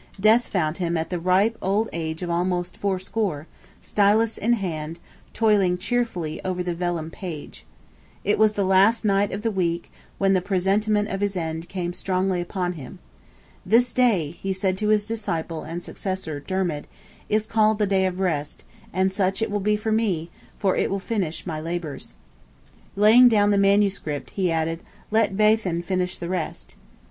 Death found him at the ripe age of almost fourscore, stylus in hand, toiling cheerfully over the vellum page. It was the last night of the week when the presentiment of his end came strongly upon him. "This day," he said to his disciple and successor, Dermid, "is called the day of rest, and such it will be for me, for it will finish my labours." Laying down the manuscript, he added, "let Baithen finish the rest."